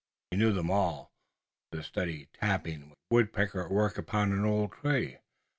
He knew them all. The steady tapping was a woodpecker at work upon an old tree.